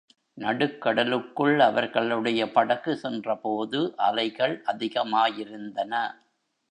நடுக்கடலுக்குள் அவர்களுடைய படகு சென்றபோது அலைகள் அதிகமாயிருந்தன.